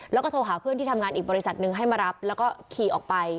แล้วก็โทรหาเพื่อนที่ทำงานอีกบริษัทหนึ่งให้มารับแล้วก็ขี่ออกไป